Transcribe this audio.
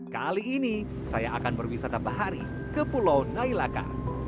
kali ini saya akan berwisata bahari ke pulau nailaka